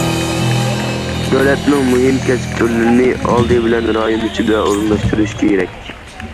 دۆلەتنىڭ مۇھىم كەسىپ تۈرلىرىنى ئالدى بىلەن رايون ئىچىدە ئورۇنلاشتۇرۇش كېرەك.